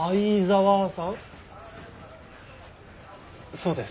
そうです。